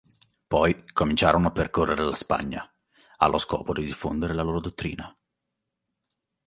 Poi cominciarono a percorrere la Spagna allo scopo di diffondere la loro dottrina.